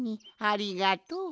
ありがとう。